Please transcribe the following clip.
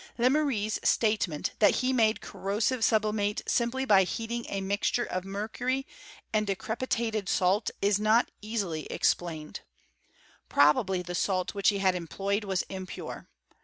Lemery's statement, that he made cor rosive sublimate simply by heating a mixture of mer cury and decrepitated salt, is not easily explained. Probably the salt which he had employed was impure.